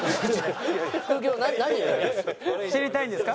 知りたいんですか？